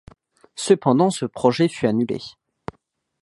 Cependant, ce projet fut annulé.